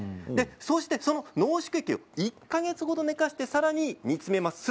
そして濃縮液を１か月程寝かせてさらに煮詰めます。